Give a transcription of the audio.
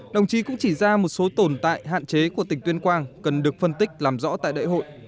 đồng chí cũng chỉ ra một số tồn tại hạn chế của tỉnh tuyên quang cần được phân tích làm rõ tại đại hội